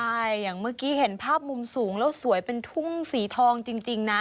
ใช่อย่างเมื่อกี้เห็นภาพมุมสูงแล้วสวยเป็นทุ่งสีทองจริงนะ